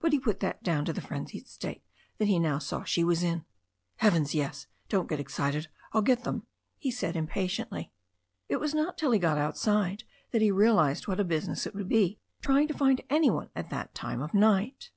But he put that down to the frenzied state that he now saw she was in. "Heavens, yes ! Don't get excited. I'll get them," he said impatiently. It was not till he got outside that he realized what a busi ness it would be trying to find any one at that time of night.